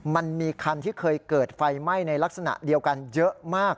มันมีคันที่เคยเกิดไฟไหม้ในลักษณะเดียวกันเยอะมาก